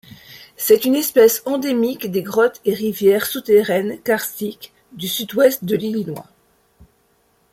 C'est une espèce endémique de grottes et rivières souterraines karstiques du sud-ouest de l'Illinois.